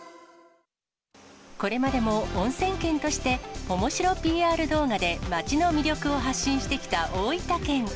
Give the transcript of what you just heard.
これまでも、おんせん県として、おもしろＰＲ動画で街の魅力を発信してきた大分県。